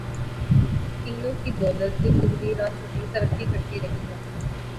تینوں کی دولت دن دگنی رات چوگنی ترقی کرتی رہی ہے۔